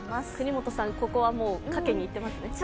國本さん、ここは賭けにいっていますね。